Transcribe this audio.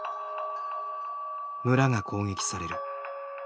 村が攻撃される。